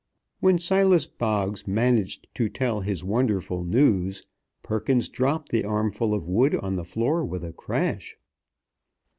When Silas Boggs managed to tell his wonderful news, Perkins dropped the armful of wood on the floor with a crash.